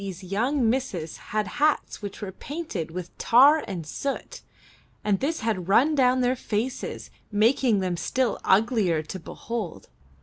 163 M Y BOOK HOUSE young misses had hats which were painted with tar and soot, and this had run down their faces, making them still uglier to behold.